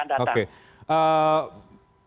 bang syarif kalau memang sudah on the track